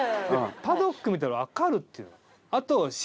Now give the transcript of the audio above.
パドック見たら分かるって言うの。